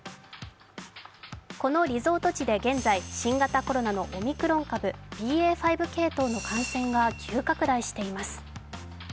このリゾート地で現在、新型コロナのオミクロン株ＢＡ．５系統の感染が急拡大しています。